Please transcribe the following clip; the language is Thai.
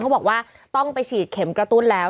เขาบอกว่าต้องไปฉีดเข็มกระตุ้นแล้ว